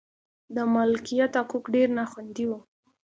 د مالکیت حقوق ډېر نا خوندي و.